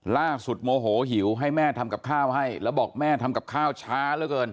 ล่าสุดโมโห้หิวให้แม่ทำกับข้าวให้แล้วบอกแม่ทำกับข้าวช้าแล้วกัน